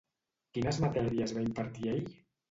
Quines matèries va impartir ell?